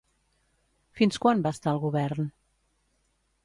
Fins quan va estar al govern?